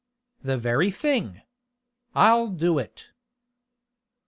The very thing! I'll do it!"